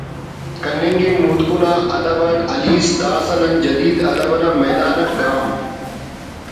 کننگ ءِ متکن آ ادب آن ہلیس داسہ نا جدید ادب نا میدان اٹ گام